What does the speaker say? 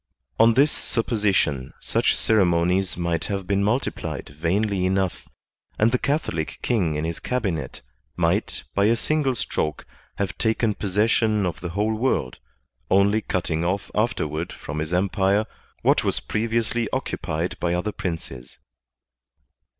On this supposition such ceremonies might have been multiplied vainly enough; and the Catholic king in his cabinet might, by a single stroke, have taken posses sion of the whole world, only cutting oflE afterward from his empire what was previously occupied by other princes.